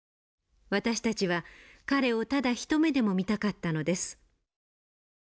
私たちは彼をただ一目でも見たかったのです。